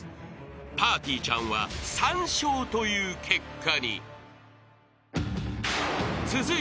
［ぱーてぃーちゃんは３笑という結果に］